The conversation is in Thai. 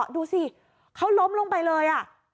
ดูสิเขาล้มลงไปเลย